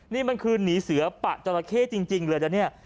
นี่มันคือหนีเสือปะจราเข้จริงเลยนะเนี่ย